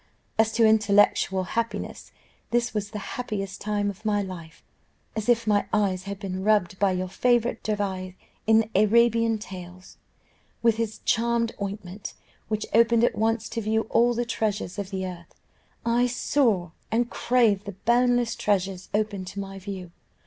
"As to intellectual happiness, this was the happiest time of my life. As if my eyes had been rubbed by your favourite dervise in the Arabian tales, with this charmed ointment, which opened at once to view all the treasures of the earth, I saw and craved the boundless treasures opened to my view.